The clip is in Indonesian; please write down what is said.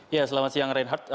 ya selamat siang reinhardt